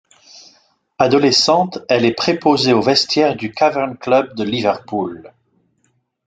Adolescente, elle est préposée au vestiaire du Cavern Club de Liverpool.